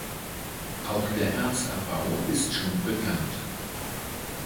Auch der Erzabbau ist schon bekannt.